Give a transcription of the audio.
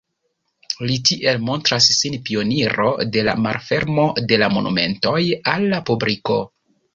Li tiel montras sin pioniro de la malfermo de la monumentoj al la publiko.